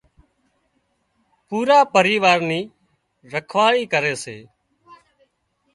پورا پريوار ني رکواۯي ڪري سي